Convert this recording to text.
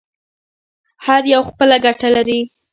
هر یو خپله ګټه لري.